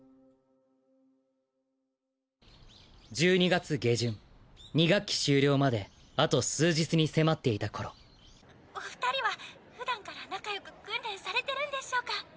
１２月下旬２学期終了まであと数日に迫っていた頃お２人は普段から仲良く訓練されてるんでしょうか？